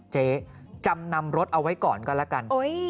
เจ๊จำนำรถเอาไว้ก่อนก็แล้วกัน